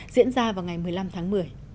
diễn ra vào ngày một mươi năm tháng một mươi